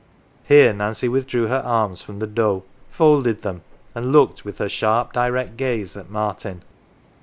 Here Nancy withdrew her arms from the dough, folded them, and looked with her sharp, direct gaze at Martin.